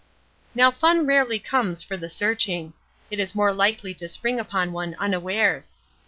Now fun rarely comes for the searching; it is more likely to spring upon one unawares.